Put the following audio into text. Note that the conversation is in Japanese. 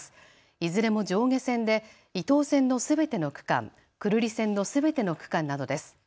いずれも上下線で伊東線のすべての区間、久留里線のすべての区間などです。